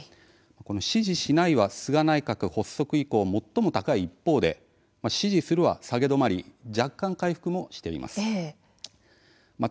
支持しないは、菅内閣発足以降最も高い一方で支持するは下げ止まり若干、回復もしています。